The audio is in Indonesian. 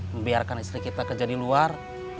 membiarkan istri kita kerja di luar